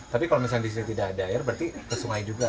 tapi kalau misalnya di sini tidak ada air berarti ke sungai juga